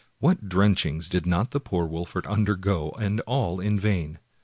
What drench ings did not the poor Wolfert undergo, and all in vain!